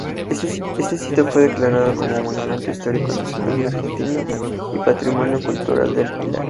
Este sitio fue declarado como Monumento Histórico Nacional Argentino y Patrimonio Cultural del Pilar.